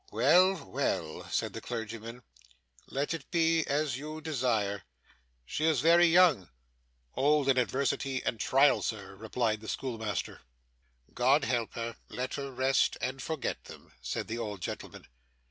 'Well, well,' said the clergyman. 'Let it be as you desire. She is very young.' 'Old in adversity and trial, sir,' replied the schoolmaster. 'God help her. Let her rest, and forget them,' said the old gentleman.